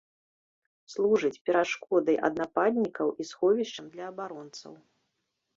Служыць перашкодай ад нападнікаў і сховішчам для абаронцаў.